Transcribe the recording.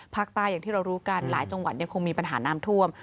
อย่างที่เรารู้กันหลายจังหวัดยังคงมีปัญหาน้ำท่วม